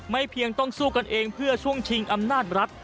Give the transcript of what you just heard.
เพียงต้องสู้กันเองเพื่อช่วงชิงอำนาจรัฐ